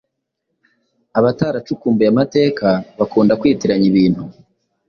Abataracukumbuye amateka, bakunda kwitiranya ibintu